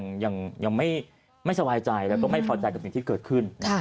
เขาก็ยังไม่สหายใจและไม่เท่าใจกับสิ่งที่เกิดขึ้น